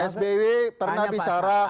sbi pernah bicara